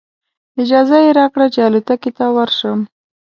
اجازه یې راکړه چې الوتکې ته ورشم.